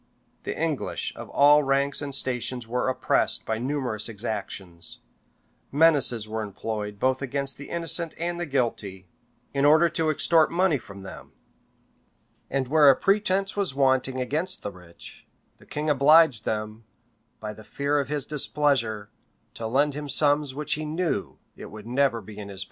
[] The English of all ranks and stations were oppressed by numerous exactions: menaces were employed both against the innocent and the guilty, in order to extort money from them; and where a pretence was wanting against the rich, the king obliged them, by the fear of his displeasure, to lend him sums which he knew it would never be in his power to repay.